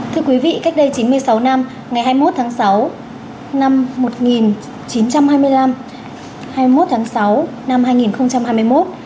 thưa quý vị cách đây chín mươi sáu năm ngày hai mươi một tháng sáu năm một nghìn chín trăm hai mươi năm hai mươi một tháng sáu năm hai nghìn hai mươi một